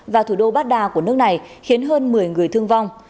và thủ đô baghdad của nước này khiến hơn một mươi người thương vong